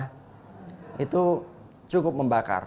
hati hati yang pengwaru